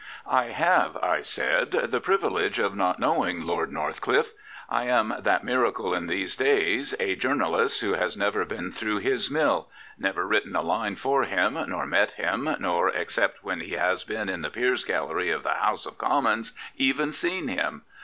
"" I have," I said, " the privilege of not knowing Lord Northcliffe. I am that miracle in these days, a journalist who has never been through his mill, never written a line for him, nor met him, nor, except when he has been in the Peers' Gallery of the House of Commons, even seen him.